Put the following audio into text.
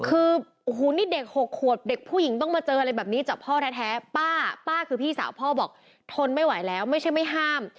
คือโอ้โหนี่เด็ก๖ขวบเด็กผู้หญิงต้องมาเจออะไรแบบนี้จากพ่อแท้ป้าป้าคือพี่สาวพ่อบอกทนไม่ไหวแล้วไม่ใช่ไม่ห้าม